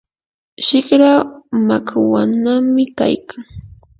shikra makwanami kaykan.